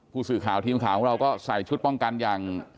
ผู้สื่อข่าวทีมข่าวส่ายชุดป้องกันอย่าง